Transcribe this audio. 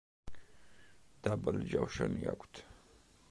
დაბალი ჯავშანი აქვთ.